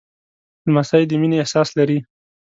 لمسی د مینې احساس لري.